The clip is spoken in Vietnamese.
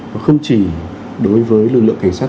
và không chỉ đối với lực lượng cảnh sát